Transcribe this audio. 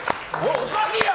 おかしいやろ！